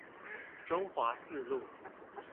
中華四路